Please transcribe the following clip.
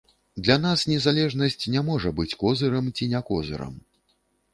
Для нас незалежнасць не можа быць козырам ці не козырам.